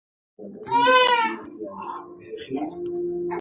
The discord rumours between Chilam and Dayo begin to spread out widely.